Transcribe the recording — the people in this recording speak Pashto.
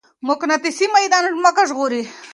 مقناطيسي ميدان ځمکه ژغوري.